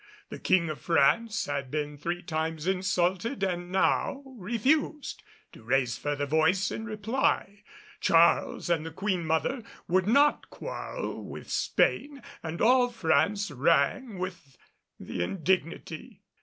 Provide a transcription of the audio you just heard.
The King of France had been three times insulted and now refused to raise further voice in reply. Charles and the Queen mother would not quarrel with Spain, and all France rang with the indignity.